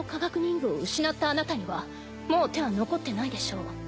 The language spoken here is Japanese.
具を失ったあなたにはもう手は残ってないでしょう。